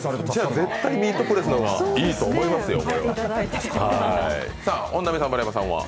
絶対ミートプレスの方がいいと思いますよね。